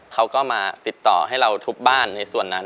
เขาก็มาติดต่อให้เราทุบบ้านในส่วนนั้น